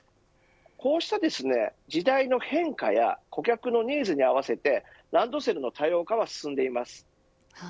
こうした時代の変化や顧客のニーズに合わせてランドセルの多様化が進んでいます。